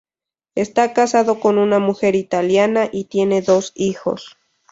Está casado con una mujer italiana y tiene dos hijos.